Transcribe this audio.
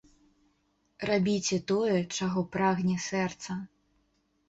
Рабіце тое, чаго прагне сэрца.